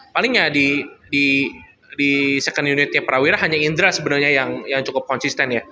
palingnya di second unitnya prawira hanya indra sebenernya yang cukup konsisten ya